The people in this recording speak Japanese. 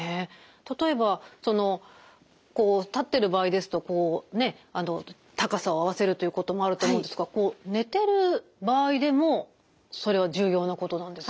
例えばそのこう立ってる場合ですとこうね高さを合わせるということもあると思うんですがこう寝てる場合でもそれは重要なことなんですよね。